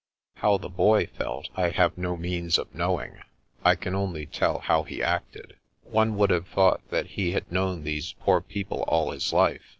How the Boy felt I have no means of knowing; I can only tell how he acted. One would have thought that he had known these poor people all his life.